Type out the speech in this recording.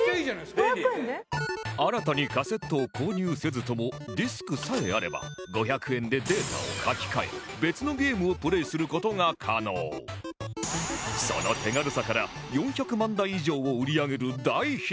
新たにカセットを購入せずともディスクさえあれば５００円でデータを書き換えその手軽さから４００万台以上を売り上げる大ヒット